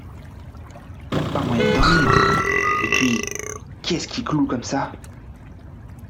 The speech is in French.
Y a pas moyen de dormir !… et puis, qui est-ce qui cloue comme ça ?